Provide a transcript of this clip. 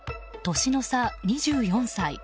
年の差２４歳。